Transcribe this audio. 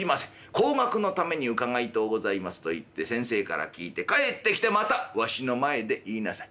後学のために伺いとうございます』と言って先生から聞いて帰ってきてまたわしの前で言いなさい。